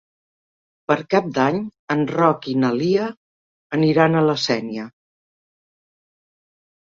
Per Cap d'Any en Roc i na Lia aniran a la Sénia.